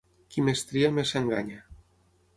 Qui més tria més s'enganya.